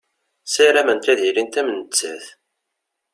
Ssarament ad ilint am nettat.